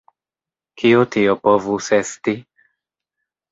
Kio tio povus esti?